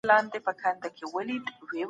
په دې پروسه کي د مهارتونو لوړول اساسي برخه ده.